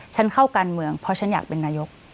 ฉันเข้าการเมืองเพราะฉันอยากเป็นนายก